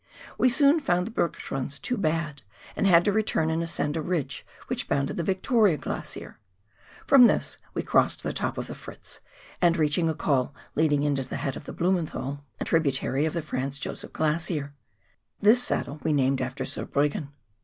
We soon found the hergschrunds too bad, and had to return and ascend a ridge which bounded the Victoria Glacier. From this we crossed the top of the Fritz, and reached a col leading into the head of the Blumenthal, a A PASS TO THE HERMITAGE. 2 i O tributary of the Franz Josef Glacier. This saddle we named after Zurbriggen.